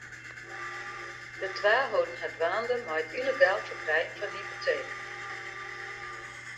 De twa holden har dwaande mei it yllegaal ferkrijen fan hypoteken.